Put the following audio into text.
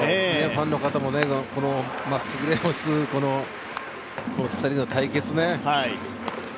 ファンの方も、まっすぐで押す２人の対決ね。